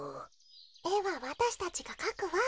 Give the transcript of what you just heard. えはわたしたちがかくわ。